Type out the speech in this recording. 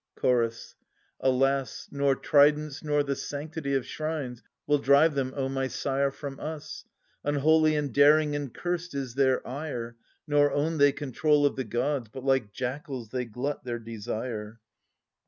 Chorus. Alas, nor tridents nor the sanctity Of shrines will drive them, O my sire, from us ! Unholy and daring and cursed is their ire. Nor own they control Of the gods, but like jackals they glut their desire.